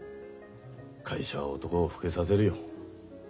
会社は男を老けさせるよ。